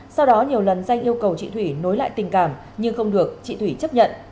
sau đó nhiều lần danh yêu cầu chị thủy nối lại tình cảm nhưng không được chị thủy chấp nhận